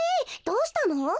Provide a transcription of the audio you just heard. どうしたの？